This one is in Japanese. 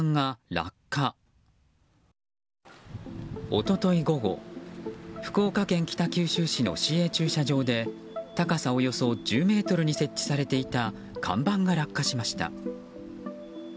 一昨日午後福岡県北九州市の市営駐車場で高さおよそ１０ｍに設置されていた看板が落下しました。